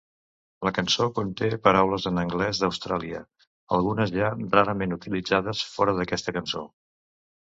La cançó conté paraules en l'anglès d'Austràlia, algunes ja rarament utilitzades fora d'aquesta cançó.